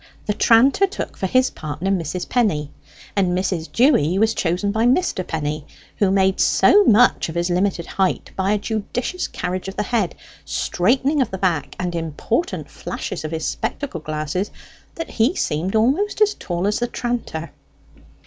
The tranter took for his partner Mrs. Penny, and Mrs. Dewy was chosen by Mr. Penny, who made so much of his limited height by a judicious carriage of the head, straightening of the back, and important flashes of his spectacle glasses, that he seemed almost as tall as the tranter.